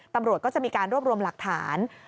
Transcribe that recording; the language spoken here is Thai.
ตำรวจก็จะมีการรวบรวมหลักฐาน